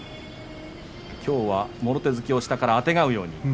きょうは、もろ手突きを下からあてがうように。